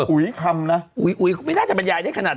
อุ๊ยทำน่ะอุ๊ยอุ๊ยไม่น่าจะบรรยายได้ค่ะนาถ